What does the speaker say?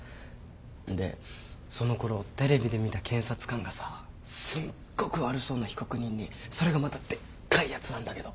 でそのころテレビで見た検察官がさすっごく悪そうな被告人にそれがまたでっかいやつなんだけど。